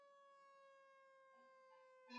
Ndama kukonda ni dalili muhimu ya ugonjwa wa kuhara